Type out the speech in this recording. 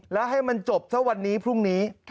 แล้วให้มันจบถ้าวันนี้พรุ่งนี้